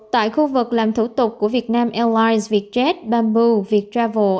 tại khu vực làm thủ tục của việt nam airlines vietjet bamboo viettravel